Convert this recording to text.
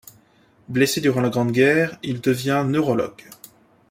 Blessé durant la Grande Guerre, il devient neurologue.